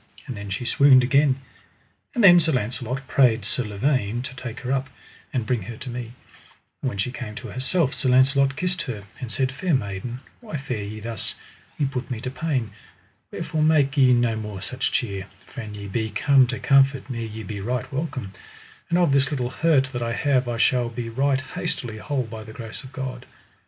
and then she swooned again. And then Sir Launcelot prayed Sir Lavaine to take her up: And bring her to me. And when she came to herself Sir Launcelot kissed her, and said: Fair maiden, why fare ye thus? ye put me to pain; wherefore make ye no more such cheer, for an ye be come to comfort me ye be right welcome; and of this little hurt that I have I shall be right hastily whole by the grace of God.